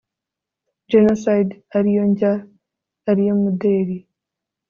genocide aliyo njya ,aliyo mudeli